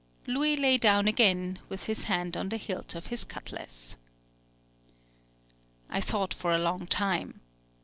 Louis lay down again, with his hand on the hilt of his cutlass. I thought for a long time.